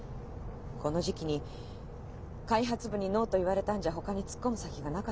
この時期に開発部に「ノー」と言われたんじゃほかに突っ込む先がなかったのよ。